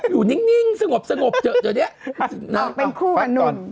อยู่นิ่งสงบเจ๋อเจ๋อเนี้ยออกเป็นคู่กันนุ่ม